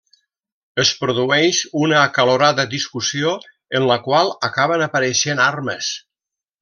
Es produeix una acalorada discussió en la qual acaben apareixent armes.